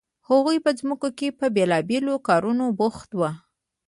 هغوی په ځمکو کې په بیلابیلو کارونو بوخت وو.